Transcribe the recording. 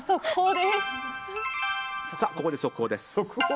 ここで速報です。